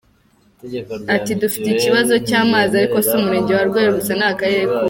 Ati “Dufite ikibazo cy’amazi, ariko si Umurenge wa Rweru gusa ni Akarere kose.